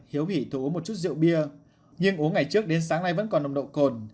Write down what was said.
hiếu hỉ thú uống một chút rượu bia nhưng uống ngày trước đến sáng nay vẫn còn nồng độ cồn